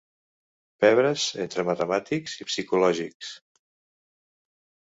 Pebres entre matemàtics i piscològics.